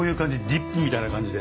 ディップみたいな感じで。